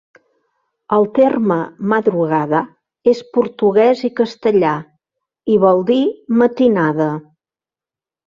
El terme "madrugada" és portuguès i castellà i vol dir "matinada".